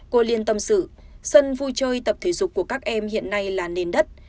cô liên tâm sự sân vui chơi tập thể dục của các em hiện nay là nền đất